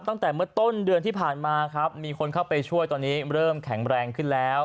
ตั้งแต่เมื่อต้นเดือนที่ผ่านมาครับมีคนเข้าไปช่วยตอนนี้เริ่มแข็งแรงขึ้นแล้ว